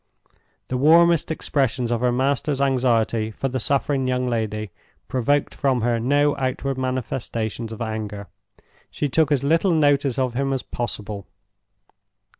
The warmest expressions of her master's anxiety for the suffering young lady provoked from her no outward manifestations of anger. She took as little notice of him as possible.